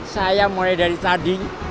saya mulai dari tadi